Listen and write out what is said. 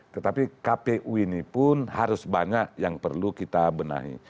tetapi kpu ini pun harus banyak yang perlu kita benahi